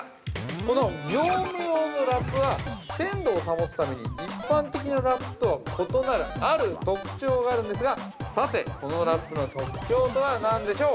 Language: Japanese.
この業務用のラップは鮮度を保つために一般的なラップとは異なるある特徴があるんですが、さて、このラップの特徴とは何でしょう？